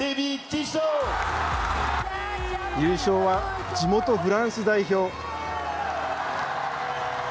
優勝は地元フランス代表。